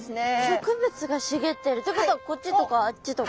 植物が茂ってるってことはこっちとかあっちとか。